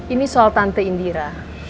ini soal tante indira